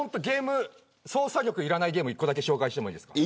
操作力いらないゲーム１個だけ紹介していいですか。